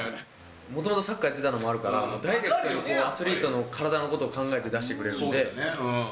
もともとサッカーやってたのもあるから、ダイレクトにアスリートの体のこと考えて出してくれるんで。